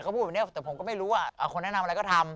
เขาพูดแบบนี้แต่ผมก็ไม่รู้ว่าคนแนะนำอะไรก็ทำ